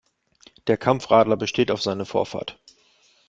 Der Kampfradler besteht auf seine Vorfahrt.